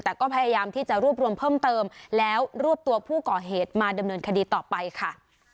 แต่ก็พยายามที่จะรวบรวมเพิ่มเติมแล้วรวบตัวผู้ก่อเหตุมาดำเนินคดีต่อไปค่ะ